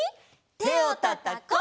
「てをたたこ」。